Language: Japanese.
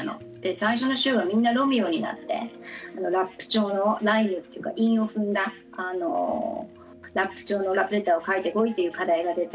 最初の週はみんなロミオになってラップ調のライムっていうか韻を踏んだラップ調のラブレターを書いてこいという課題が出て。